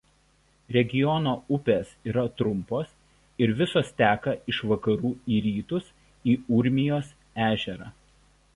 Regiono upės yra trumpos ir visos teka iš vakarų į rytus į Urmijos ežerą.